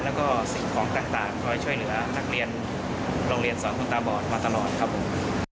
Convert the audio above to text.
แล้วก็สิ่งของต่างคอยช่วยเหลือนักเรียนโรงเรียนสอนคุณตาบอดมาตลอดครับผม